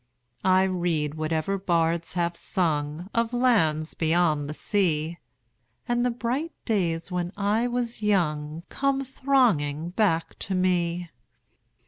I read whatever bards have sung Of lands beyond the sea, 10 And the bright days when I was young Come thronging back to me.